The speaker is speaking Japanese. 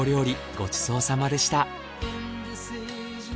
ごちそうさまでした。